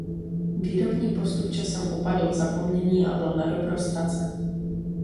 Výrobní postup časem upadl v zapomnění a byl nadobro ztracen.